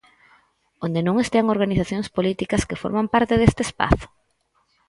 Onde non estean organizacións políticas que forman parte deste espazo?